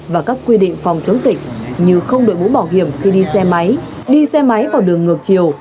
và các quy định phòng chống dịch như không đổi mũ bảo hiểm khi đi xe máy đi xe máy vào đường ngược chiều